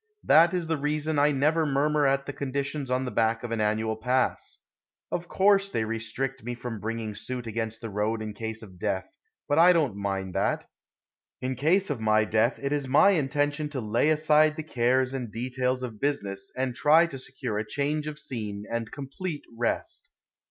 That is the reason I never murmur at the conditions on the back of an annual pass. Of course they restrict me from bringing suit against the road in case of death, but I don't mind that. In case of my death it is my intention to lay aside the cares and details of business and try to secure a change of scene and complete rest.